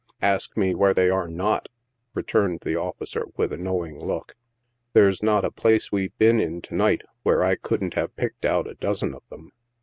" Ask me where they are not," returned the officer, with a know* ing look ;" there's not a place we've been in to night, where I couldn't have pointed out a dozen of them.